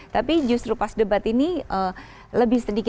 tapi justru pas debat ini lebih sedikit